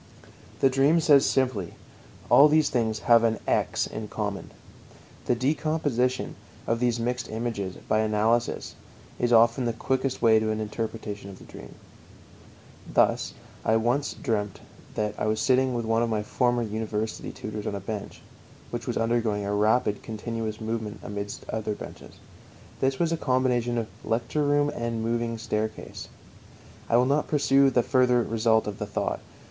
The dream says simply: All these things have an "x" in common. The decomposition of these mixed images by analysis is often the quickest way to an interpretation of the dream. Thus I once dreamt that I was sitting with one of my former university tutors on a bench, which was undergoing a rapid continuous movement amidst other benches. This was a combination of lecture room and moving staircase. I will not pursue the further result of the thought.